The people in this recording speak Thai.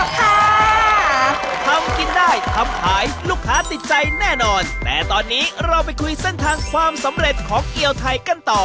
ค่ะทำกินได้ทำขายลูกค้าติดใจแน่นอนแต่ตอนนี้เราไปคุยเส้นทางความสำเร็จของเกียวไทยกันต่อ